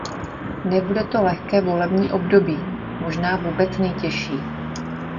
Nebude to lehké volební období - možná vůbec nejtěžší.